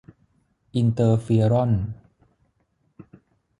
อินเตอร์เฟียรอน